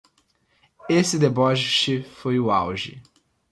Esse deboche foi o auge